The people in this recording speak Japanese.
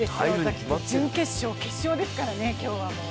準決勝、決勝ですからね、今日はもう。